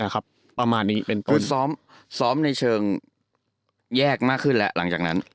คือซ้อมในเชิงแยกมากขึ้นแล้วหลังจากนั้น